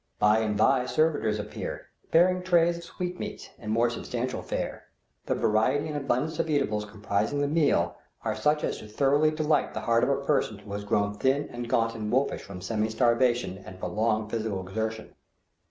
By and by servitors appear bearing trays of sweetmeats and more substantial fare. The variety and abundance of eatables comprising the meal, are such as to thoroughly delight the heart of a person who has grown thin and gaunt and wolfish from semi starvation and prolonged physical exertion.